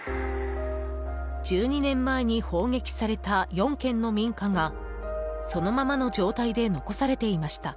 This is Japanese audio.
１２年前に砲撃された４軒の民家がそのままの状態で残されていました。